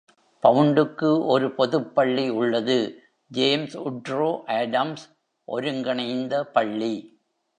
பவுண்டுக்கு ஒரு பொதுப் பள்ளி உள்ளது: ஜேம்ஸ் உட்ரோ ஆடம்ஸ் ஒருங்கிணைந்த பள்ளி.